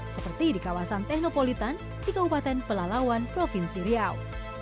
seperti di kawasan teknopolitan di kabupaten pelalawan provinsi riau